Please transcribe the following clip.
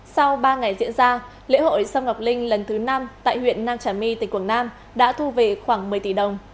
sau ba ngày diễn ra lễ hội sâm ngọc linh lần thứ năm tại huyện nam trà my tỉnh quảng nam đã thu về khoảng một mươi tỷ đồng